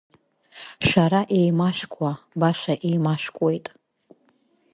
Шәара еимашәкуа, баша еимашәкуеит.